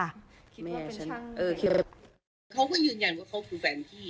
เขาก็ยืนยันว่าเขาคือแฟนพี่